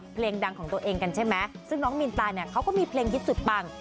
เพลงดังของตัวเองกันใช่ไหมซึ่งน้องมีนตาเนี่ยเขาก็มีเพลงฮิตสุดปัง